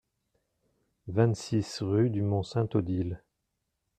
vingt-six rue du Mont Sainte-Odile